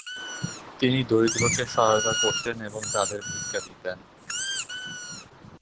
তিনি দরিদ্রকে সহায়তা করতেন এবং তাদের ভিক্ষা দিতেন।